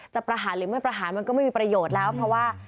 ประหารหรือไม่ประหารมันก็ไม่มีประโยชน์แล้วเพราะว่า